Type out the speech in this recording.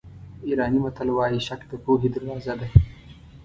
ایراني متل وایي شک د پوهې دروازه ده.